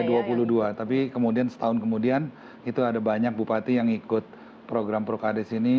awalnya hanya dua puluh dua tapi kemudian setahun kemudian itu ada banyak bupati yang ikut program prukades ini